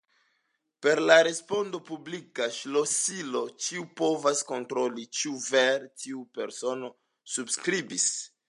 Per la responda publika ŝlosilo ĉiu povas kontroli, ĉu vere tiu persono subskribis.